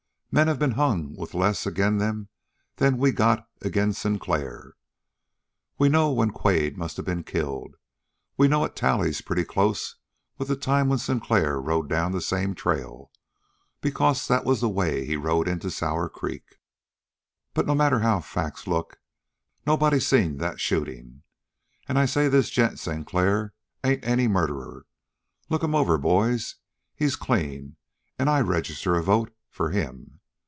Men has been hung with less agin' them than we got agin' Sinclair. We know when Quade must have been killed. We know it tallies pretty close with the time when Sinclair came down that same trail, because that was the way he rode into Sour Creek. But no matter how facts look, nobody seen that shooting. And I say this gent Sinclair ain't any murderer. Look him over, boys. He's clean, and I register a vote for him.